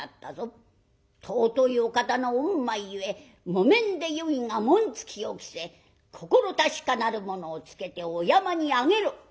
尊いお方の御前ゆえ木綿でよいが紋付きを着せ心確かなる者をつけてお山に上げろ。